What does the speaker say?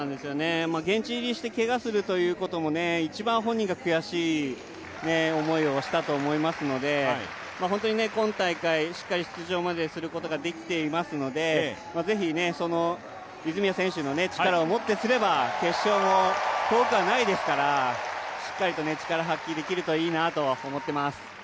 現地入りしてけがするということも、一番本人が悔しい思いをしたと思いますから、今大会、しっかり出場まですることができていますのでぜひ泉谷選手の力をもってすれば決勝も遠くはないですから、しっかりと力発揮できるといいと思ってます。